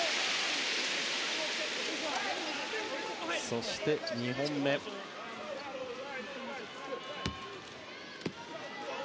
そして、２本目です。